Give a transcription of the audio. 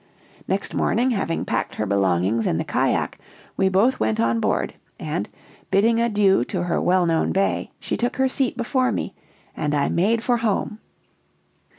"Next morning, having packed her belongings in the cajack, we both went on board; and bidding adieu to her well known bay she took her seat before me, and I made for home.